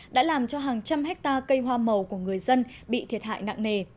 đã làm cho hàng trăm hectare cây hoa màu của người dân bị thiệt hại nặng nề